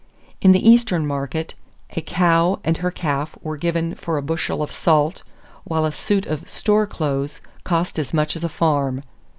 In the Eastern market, "a cow and her calf were given for a bushel of salt, while a suit of 'store clothes' cost as much as a farm."